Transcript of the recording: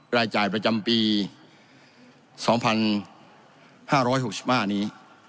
รายจ่ายประจำปีสองพันห้าร้อยหกชิ้นนี้